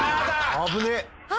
危ねえ！